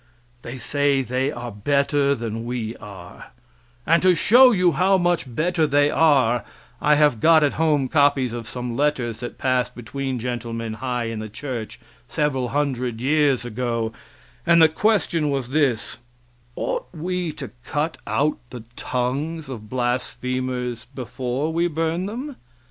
They say they are better than we are and to show you how much better they are I have got at home copies of some letters that passed between gentlemen high in the church several hundred years ago, and the question was this: "Ought we to cut out the tongues of blasphemers before we burn them?"